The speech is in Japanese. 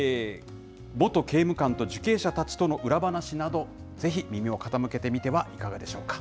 元刑務官と受刑者たちとの裏話など、ぜひ耳を傾けてみてはいかがでしょうか。